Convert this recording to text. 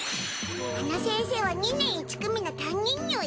あの先生は２年１組の担任にゅい。